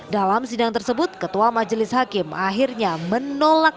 dalam sidang tersebut ketua majelis hakim akhirnya menolak